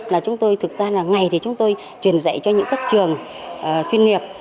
là chúng tôi thực ra là ngày thì chúng tôi truyền dạy cho những các trường chuyên nghiệp